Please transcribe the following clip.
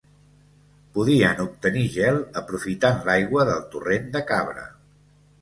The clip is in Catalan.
Podien obtenir gel aprofitant l'aigua del torrent de Cabra.